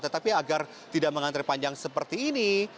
tetapi agar tidak mengantri panjang seperti ini